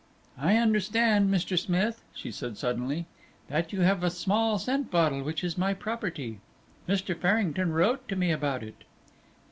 "I understand, Mr. Smith," she said suddenly, "that you have a small scent bottle which is my property; Mr. Farrington wrote to me about it."